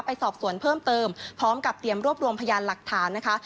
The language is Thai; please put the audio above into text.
ไปสอบสวนเพิ่มเติมพร้อมกับเตรียมรวบรวมพยานหลักฐานนะคะ